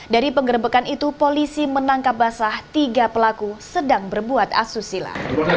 dari penggerbekan itu polisi menangkap basah tiga pelaku sedang berbuat asusila